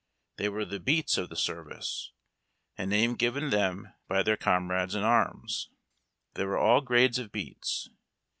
These were the heats of the service — a name given them by their comrades in arms. There were all grades of beats.